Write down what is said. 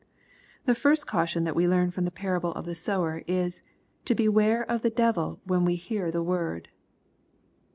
The first caution that we learn from the parable of the sower, is to beware of the devil when we hear the word.